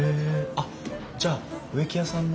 あじゃあ植木屋さんの？